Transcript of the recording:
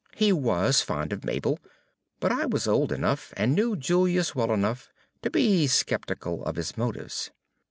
He was fond of Mabel, but I was old enough, and knew Julius well enough, to be skeptical of his motives.